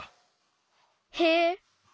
へえ。